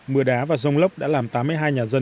mưa đá và rông lốc đã làm tám mươi hai nhà dân